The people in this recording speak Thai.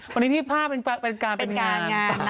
วันนี้พี่ภาพเป็นการเป็นการเป็นการนะ